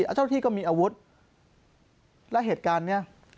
เจ้าหน้าที่ก็มีอาวุธและเหตุการณ์นี้